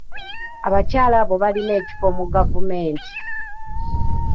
Abakyala abo balina ekifo mu gavumenti.